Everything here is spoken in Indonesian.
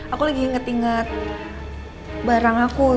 aku lagi inget inget barang aku